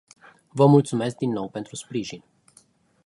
Vă mulțumesc din nou pentru sprijin.